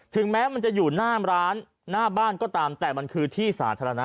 ถึงแม้มันจะอยู่หน้าร้านหน้าบ้านก็ตามแต่มันคือที่สาธารณะ